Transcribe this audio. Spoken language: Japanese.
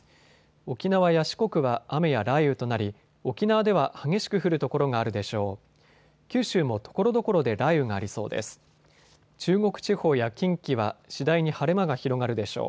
沖縄や四国は雨や雷雨となり沖縄では激しく降る所があるでしょう。